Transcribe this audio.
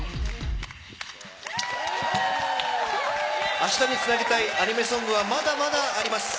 明日につなげたいアニメソングは、まだまだあります。